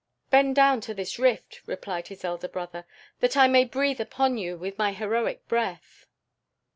"Bend down to this rift," replied his elder brother, "that I may breathe upon you with my heroic breath."